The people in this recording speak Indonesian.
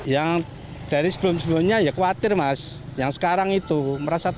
yang dari sebelum sebelumnya ya khawatir mas yang sekarang itu merasa takut